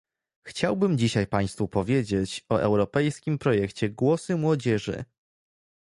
Chciałbym dzisiaj powiedzieć państwu o Europejskim projekcie "Głosy młodzieży"